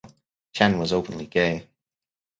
Chen was openly gay.